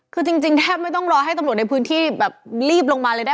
คือจริงแทบไม่ต้องรอให้ตำรวจในพื้นที่แบบรีบลงมาเลยได้